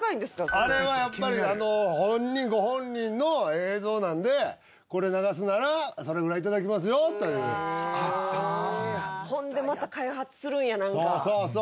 あれはやっぱりあのご本人の映像なんでこれ流すならそれぐらいいただきますよといううわほんでまた開発するんや何かそうそう